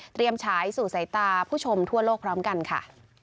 ฉายสู่สายตาผู้ชมทั่วโลกพร้อมกันค่ะ